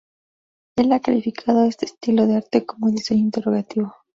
Él ha calificado este estilo de arte como Diseño Interrogativo.